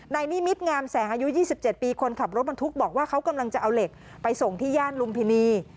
นิมิตงามแสงอายุ๒๗ปีคนขับรถบรรทุกบอกว่าเขากำลังจะเอาเหล็กไปส่งที่ย่านลุมพินี